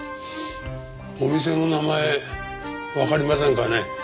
お店の名前わかりませんかね？